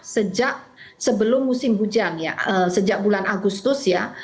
sejak sebelum musim hujan ya sejak bulan agustus ya